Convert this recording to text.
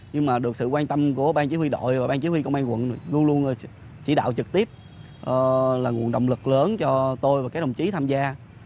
nhưng mà được sự quan tâm của bang chỉ huy đội và ban chỉ huy công an quận luôn luôn chỉ đạo trực tiếp là nguồn động lực lớn cho tôi và các đồng chí tham gia